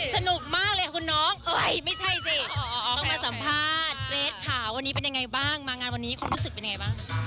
สนุกมากเลยคุณน้องเอ้ยไม่ใช่สิต้องมาสัมภาษณ์เกรทข่าววันนี้เป็นยังไงบ้างมางานวันนี้ความรู้สึกเป็นไงบ้าง